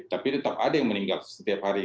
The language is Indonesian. tapi tetap ada yang meninggal setiap hari